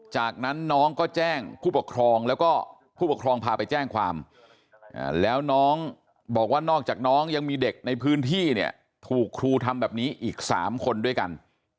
จากนั้นน้องก็แจ้งผู้ปกครองแล้วก็ผู้ปกครองพาไปแจ้งความแล้วน้องบอกว่านอกจากน้องยังมีเด็กในพื้นที่เนี่ยถูกครูทำแบบนี้อีก๓คนด้วยกัน